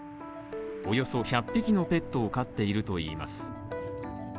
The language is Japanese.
およそ１００匹のペットを飼っているといいます。